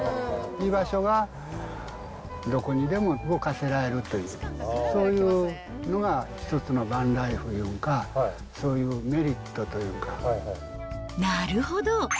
居場所がどこにでも動かせられるという、そういうのが一つのバンライフいうんか、そういうメリットというなるほど。